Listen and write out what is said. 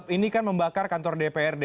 ini kan membakar kantor dprd